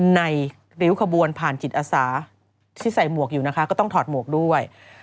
ริ้วขบวนผ่านจิตอาสาที่ใส่หมวกอยู่นะคะก็ต้องถอดหมวกด้วย